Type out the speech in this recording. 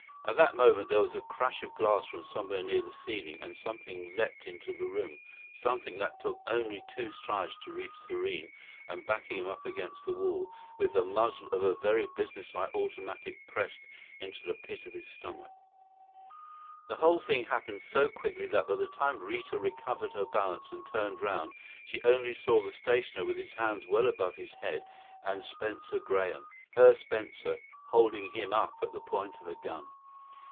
At that moment there was a crash of glass from somewhere near the ceiling and something leaped into the room something that took only two strides to reach Thurene and back him up against the wall, with the muzzle of a very businesslike automatic pressed into the pit of his stomach. The whole thing happened so quickly that by the time Rita recovered her balance and turned around she only saw the stationer with his hands well above his head and Spencer Graham her Spencer holding him up at the point of a gun.